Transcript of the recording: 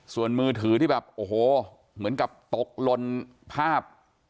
ส่วนมือถือที่แบบโอ้โหเหมือนกับตกลนภาพ